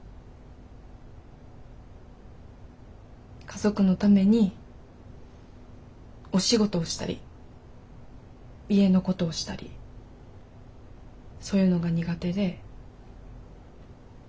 家族のためにお仕事をしたり家のことをしたりそういうのが苦手で。